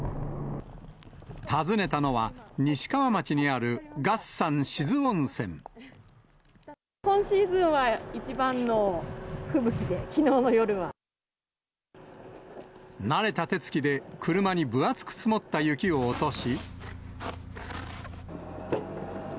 訪ねたのは、今シーズンは一番の吹雪で、慣れた手つきで、車に分厚く積もった雪を落とし。